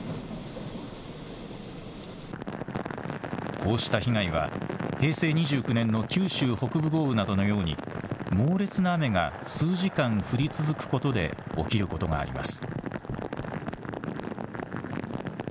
こうした被害は平成２９年の九州北部豪雨などのように猛烈な雨が数時間、降り続くことで起きることがあります。